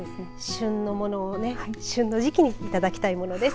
旬のものを旬の時期にいただきたいものです。